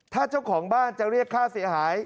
ถ้าเจ้าของบ้านจะเรียกค่าเสียหาย